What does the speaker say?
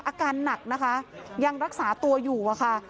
อาการหนักนะคะยังรักษาตัวอยู่อะค่ะ